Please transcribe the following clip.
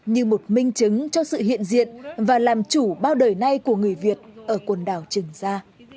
như một minh chứng cho sự hiện diện và làm chủ bao đời nay của người việt ở quần đảo trường sa